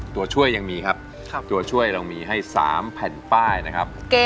ตัวช่วยยังมีครับตัวช่วยเรามีให้๓แผ่นป้ายนะครับ